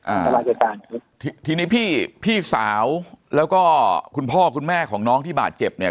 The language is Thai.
อ่าทีนี้พี่สาวแล้วก็คุณพ่อคุณแม่ของน้องที่บาดเจ็บเนี่ย